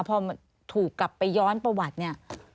พอถูกกลับไปย้อนประวัติเนี่ย